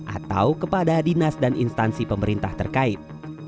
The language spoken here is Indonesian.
atau kepada dinas dan instansi pemerintah terkait